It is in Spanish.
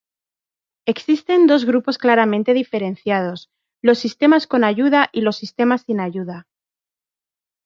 Existen dos grupos claramente diferenciados: los sistemas con ayuda y los sistemas sin ayuda.